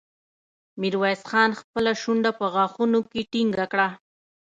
ميرويس خان خپله شونډه په غاښونو کې ټينګه کړه.